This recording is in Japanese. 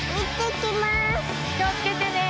気を付けてね！